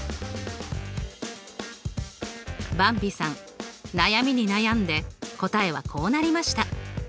ばんびさん悩みに悩んで答えはこうなりました。